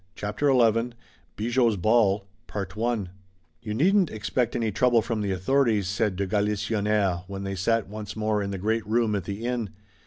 CHAPTER XI BIGOT'S BALL "You needn't expect any trouble from the authorities," said de Galisonnière, when they sat once more in the great room at the inn.